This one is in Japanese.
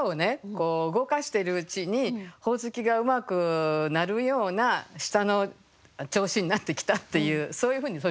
こう動かしてるうちに鬼灯がうまく鳴るような舌の調子になってきたっていうそういうふうにとりましたね。